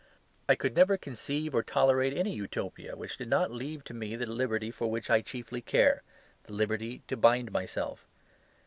I could never conceive or tolerate any Utopia which did not leave to me the liberty for which I chiefly care, the liberty to bind myself.